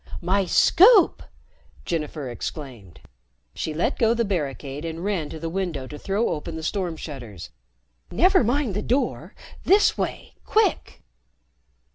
"My Scoop!" Jennifer exclaimed. She let go the barricade and ran to the window to throw open the storm shutters. "Never mind the door. This way, quick!"